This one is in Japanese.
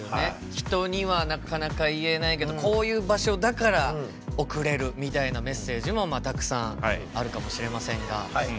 人にはなかなか言えないけどこういう場所だから送れるみたいなメッセージもたくさんあるかもしれませんがそれに対してですね